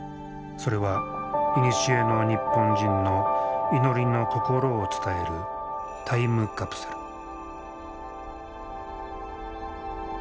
それはいにしえの日本人の祈りの心を伝えるタイムカプセル。